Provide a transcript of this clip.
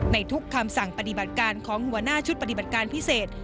ทุกคำสั่งปฏิบัติการของหัวหน้าชุดปฏิบัติการพิเศษ